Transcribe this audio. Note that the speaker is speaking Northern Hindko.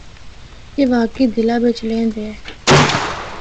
اے واقعی دلّا بچ لِہندے اے۔